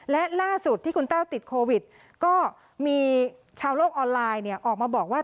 และล่าสุดที่คุณแต้วติดโควิดก็มีชาวโลกออนไลน์เนี่ยออกมาบอกว่า